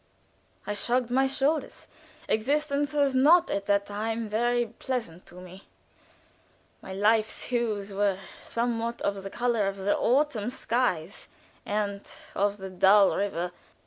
I shrugged my shoulders. Existence was not at that time very pleasant to me; my life's hues were somewhat of the color of the autumn skies and of the dull river.